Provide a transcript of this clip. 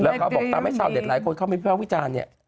แล้วก็บอกทำให้ชาวเด็ดหลายคนเขาวิภาควิจารณ์เนี่ย